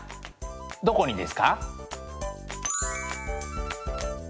どこにですか？